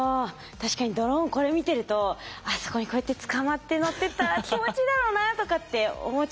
確かにドローンこれ見てるとあそこにこうやってつかまって乗ってったら気持ちいいだろうなとかって思っちゃいません？